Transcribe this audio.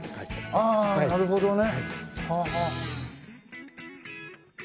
ああなるほどね。